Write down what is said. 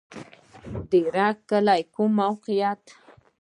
د رګ کلی موقعیت